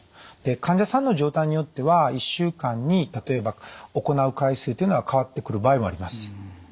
で患者さんの状態によっては１週間に例えば行う回数というのは変わってくる場合もあります。